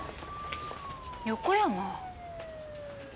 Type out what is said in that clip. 横山。